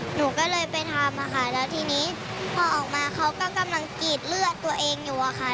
หนูก็เลยไปทำค่ะแล้วทีนี้พอออกมาเขาก็กำลังกรีดเลือดตัวเองอยู่อะค่ะ